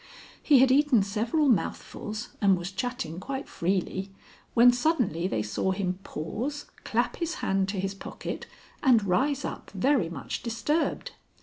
He had eaten several mouthfuls and was chatting quite freely, when suddenly they saw him pause, clap his hand to his pocket, and rise up very much disturbed.